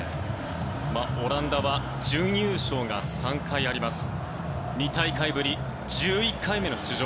オランダは準優勝が３回あります。